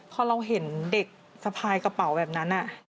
พอเราเห็นเด็กสะพายกระเป๋าแบบนั้น